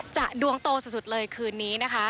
ดวงโตสุดเลยคืนนี้นะคะ